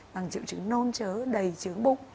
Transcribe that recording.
bằng triệu chứng nôn chớ đầy chớ bụng